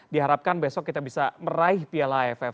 diharapkan besok kita bisa meraih piala aff